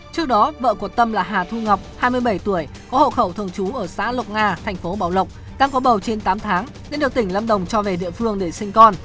trước đó vợ của tâm là hà thu ngọc hai mươi bảy tuổi có hậu khẩu thường trú ở xã lộc nga thành phố bảo lộc đang có bầu trên tám tháng nên được tỉnh lâm đồng cho về địa phương để sinh con